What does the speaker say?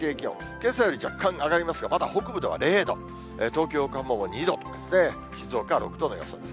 けさより若干上がりますが、まだ北部では０度、東京、横浜も２度と、静岡は６度の予想です。